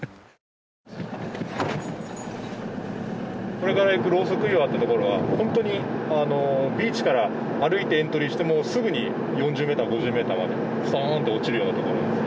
これから行くローソク岩ってところは本当にビーチから歩いてエントリーしてもすぐに４０メーター５０メーターまでストンって落ちるようなところなんですよ。